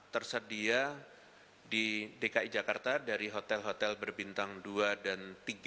tersedia di dki jakarta dari hotel hotel berbintang dua dan tiga